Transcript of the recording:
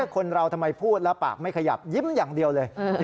คนเราทำไมพูดแล้วปากไม่ขยับยิ้มอย่างเดียวเลย